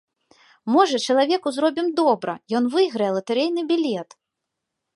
Можа, чалавеку зробім добра, ён выйграе латарэйны білет!